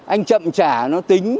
anh chậm trả nó tính